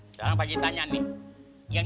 sekarang pak haji tanya nih